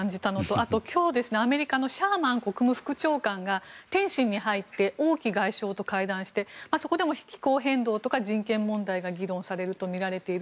あと今日、アメリカのシャーマン国務副長官が天津に入って王毅外相と会談してそこでも気候変動とか人権問題が議論されるとみられている。